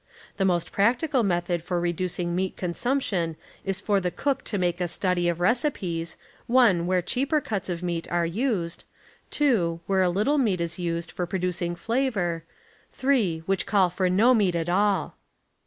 The most practical method for reducing meat consumption is for the cook to make a study of recipes. (1). M'here cheaj^er cuts of meat are used; (). where a little meat is used for producing flavor; (8). which call for no meat at all.